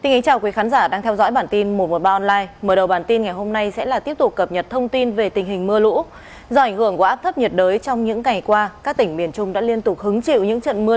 hãy đăng ký kênh để ủng hộ kênh của chúng mình nhé